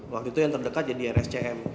waktu itu yang terdekat jadi rscm